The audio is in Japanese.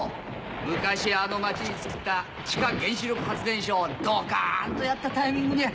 昔あの町に造った地下原子力発電所をドカンとやったタイミングにゃ